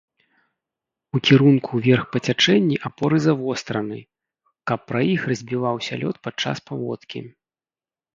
У кірунку ўверх па цячэнні апоры завостраны, каб пра іх разбіваўся лёд падчас паводкі.